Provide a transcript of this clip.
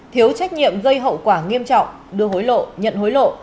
thiếu trách nhiệm gây hậu quả nghiêm trọng đưa hối lộ nhận hối lộ